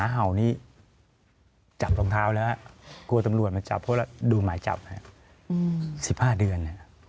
หาวนี่จับสองเท้าแล้วฮะกลัวตำรวจมาจับเพราะว่าดูหมายจับสิบห้าเดือน